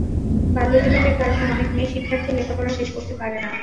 বাল্যবিবাহের কারণে অনেক মেয়ে শিক্ষার্থী লেখা পড়া শেষ করতে পারে না।